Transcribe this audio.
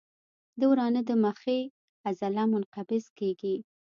د ورانه د مخې عضله منقبض کېږي.